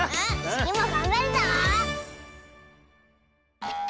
つぎもがんばるぞ！